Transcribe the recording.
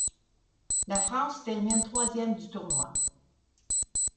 La France termine troisième du tournoi.